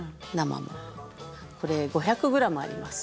これ５００グラムあります。